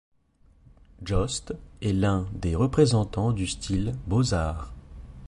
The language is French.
Jost est l'un des représentants du style Beaux-Arts.